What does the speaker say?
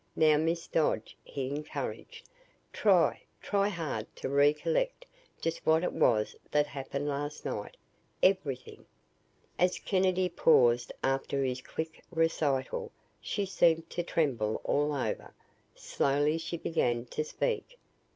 "Now, Miss Dodge," he encouraged, "try try hard to recollect just what it was that happened last night everything." As Kennedy paused after his quick recital, she seemed to tremble all over. Slowly she began to speak.